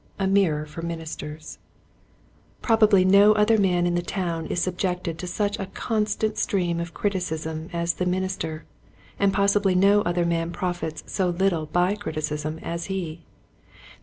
A Mirror for Ministers, Probably no other man in the town is subjected to such a constant stream of criticism as the minister, and possibly no other man profits so Uttle by criticism as he.